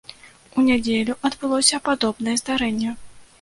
У нядзелю адбылося падобнае здарэнне.